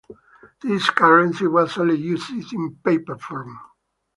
This currency was only issued in paper form.